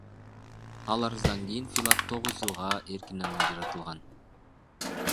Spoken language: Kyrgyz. Ал арыздан кийин Филат тогуз жылга эркинен ажыратылган.